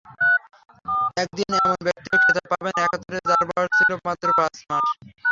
একদিন এমন ব্যক্তিও খেতাব পাবেন, একাত্তরে যার বয়স ছিল পাঁচ মাস।